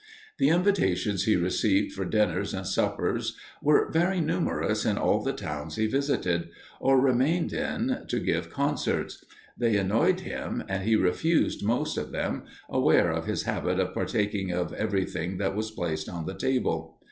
The invitations he received for dinners and suppers were very numerous in all the towns he visited, or remained in to give concerts; they annoyed him, and he refused most of them, aware of his habit of partaking of everything that was placed on the table.